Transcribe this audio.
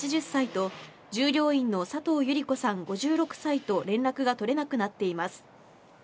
８０歳と、従業員の佐藤百合子さん５６歳と連絡が取れなくなっています。